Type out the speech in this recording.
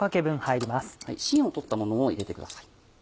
芯を取ったものを入れてください。